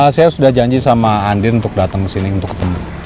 saya sudah janji sama andin untuk datang ke sini untuk ketemu